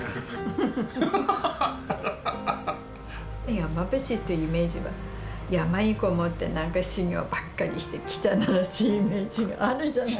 山伏っていうイメージは山に籠もって何か修行ばっかりして汚らしいイメージがあるじゃない。